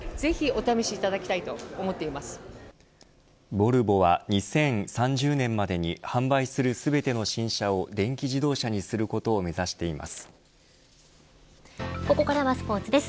ボルボは２０３０年までに販売する全ての新車を電気自動車にすることをここからはスポーツです。